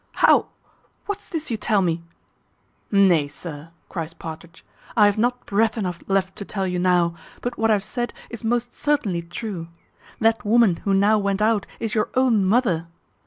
how! what's this you tell me?" "Nay, sir," cries Partridge, "I have not breath enough left to tell you now, but what I have said is most certainly true. That woman who now went out is your own mother.